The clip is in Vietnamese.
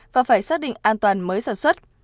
và phải xác định an toàn mới sản xuất